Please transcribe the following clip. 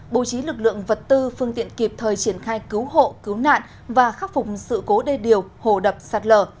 bố trí lực lượng vật tư phương tiện kịp thời triển khai cứu hộ cứu nạn và khắc phục sự cố đê điều hồ đập sạt lở